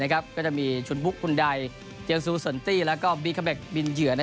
ก็จะมีชุนบุ๊คคุณใดเจนซูเซินตี้แล้วก็บีคาเมคบินเหยื่อ